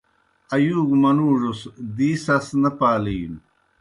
آیُوگوْ منُوڙوْس دی سَس نہ پالِینوْ۔